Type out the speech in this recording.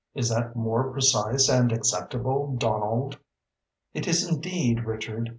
Is that more precise and acceptable, Donald?" "It is indeed, Richard.